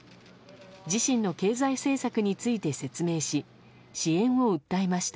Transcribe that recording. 自身の経済政策について説明し支援を訴えました。